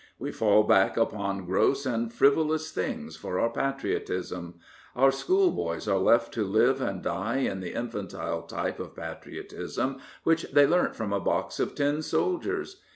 ... We fall back upon gross and frivolous things for our patriotism. ... Our school boys are left to live and die in the infantile type of patriotism which they learnt from a box of tin soldiers.